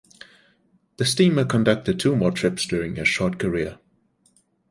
The steamer conducted two more trips during her short career.